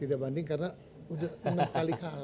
tidak banding karena sudah enam kali kalah